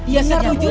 iya saya rujuk